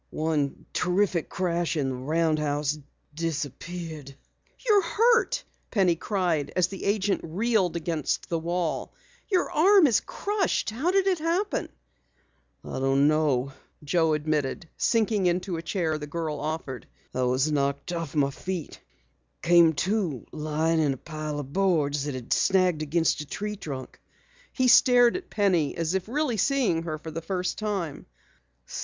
One terrific crash and the roundhouse disappeared " "You're hurt," Penny cried as the agent reeled against the wall. "Your arm is crushed. How did it happen?" "Don't know," Joe admitted, sinking into a chair the girl offered. "I was knocked off my feet. Came to lying in a pile of boards that had snagged against a tree trunk." He stared at Penny as if really seeing her for the first time.